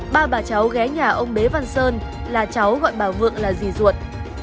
ba bà cháu ghé nhà ông bế văn sơn là cháu gọi ba vượng là dì ruột